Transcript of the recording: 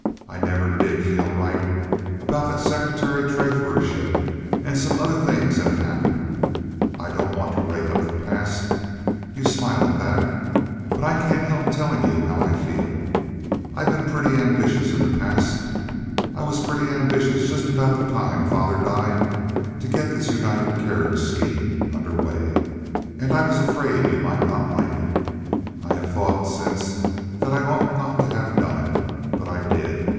I never did feel right about that secretary treasurership and some other things that have happened. I don't want to rake up the past—you smile at that—but I can't help telling you how I feel. I've been pretty ambitious in the past. I was pretty ambitious just about the time that father died to get this United Carriage scheme under way, and I was afraid you might not like it. I have thought since that I ought not to have done it, but I did.